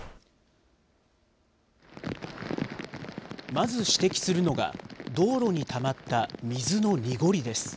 まず指摘するのが、道路にたまった水の濁りです。